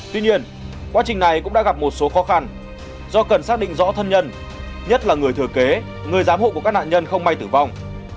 tuy nhiên quá trình này cũng đã gặp một số khó khăn do cần xác định rõ thân nhân nhất là người thừa kế người giám hộ của các nạn nhân không may tử vong